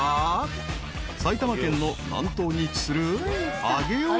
［埼玉県の南東に位置する］